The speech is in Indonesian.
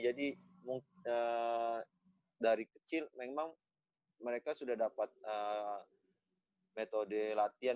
jadi dari kecil memang mereka sudah dapat metode latihan